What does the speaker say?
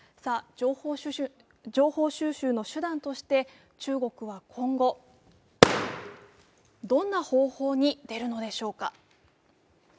情報収集の手段として中国は今後、どんな方法に出るのでしょうか。